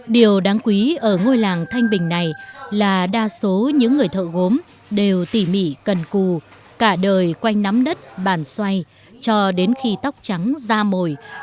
điều đáng quý ở ngôi làng thanh bình này là đa số những người thợ gốm đều tỉ mỉ cần cù cả đời quanh nắm đất bàn xoay cho đến khi tóc trắng da mồi vẫn miệt mài và đam mê với nghề truyền thống